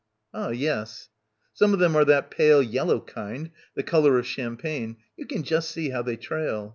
"Ah, yes." "Some of them are that pale yellow kind, the colour of champagne. You can just see how they trail.